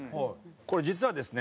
これ実はですね